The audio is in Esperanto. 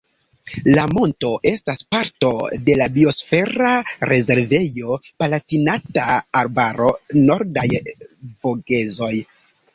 La monto estas parto de la Biosfera rezervejo Palatinata Arbaro-Nordaj Vogezoj.